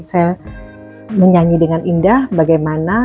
saya menyanyi dengan indah bagaimana